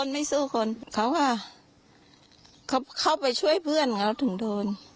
ไม่สู้คนเขาก็เขาเข้าไปช่วยเพื่อนเราถึงโดน